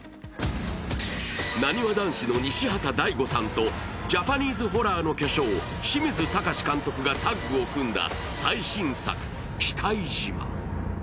なにわ男子の西畑大吾さんとジャパニーズホラーの巨匠、清水崇監督がタッグを組んだ最新作「忌怪島」。